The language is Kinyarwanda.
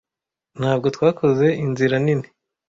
Ntabwo twakoze inzira nini.